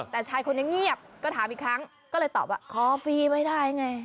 แต่ชายคนนี้เงียบก็ถามอีกครั้งก็เลยตอบว่าขอฟรีไม่ได้ไง